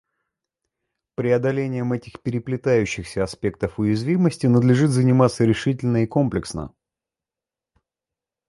Преодолением этих переплетающихся аспектов уязвимости надлежит заниматься решительно и комплексно.